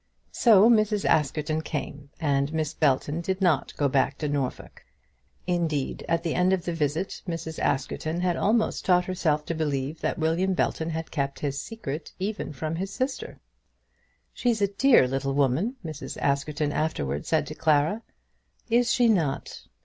So Mrs. Askerton came, and Miss Belton did not go back to Norfolk. Indeed, at the end of the visit, Mrs. Askerton had almost taught herself to believe that William Belton had kept his secret, even from his sister. "She's a dear little woman," Mrs. Askerton afterwards said to Clara. "Is she not?"